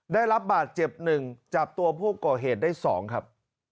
ได้รับบาดเจ็บ๑จับตัวผู้ก่อเหตุได้๒ครับ